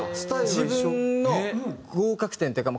自分の合格点っていうか